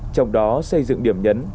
trong đó xây dựng điểm nhấn